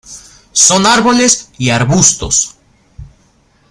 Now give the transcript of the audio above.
Son árboles y arbustos.